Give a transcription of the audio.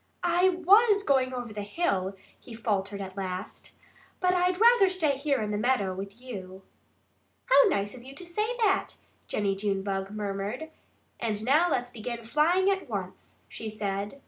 "I WAS going over the hill," he faltered at last. "But I'd rather stay here in the meadow with you." "How nice of you to say that!" Jennie Junebug murmured. "And now let's begin flying at once!" she said.